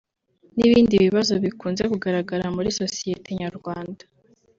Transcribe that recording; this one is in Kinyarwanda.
n’ibindi bibazo bikunze kugaragara muri sosiyete nyarwanda